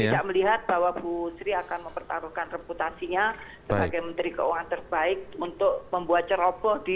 saya tidak melihat bahwa bu sri akan mempertaruhkan reputasinya sebagai menteri keuangan terbaik untuk membuat ceroboh di polisi tentang phr ini